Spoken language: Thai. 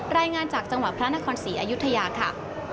รายงานจากจังหวัดพระนครศรีอยุธยาค่ะ